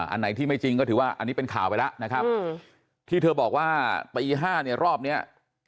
อันไหนที่ไม่จริงก็ถือว่าอันนี้เป็นข่าวไปแล้วนะครับที่เธอบอกว่าตี๕เนี่ยรอบเนี้ย